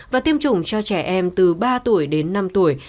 và tiêm chủng cho trẻ em từ ba tuổi đến năm tuổi